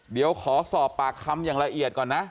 เดี๋ยวขอสอบปากคำอย่างละเอียดก่อนนะ